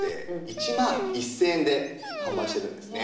１万１０００円で販売しているんですね。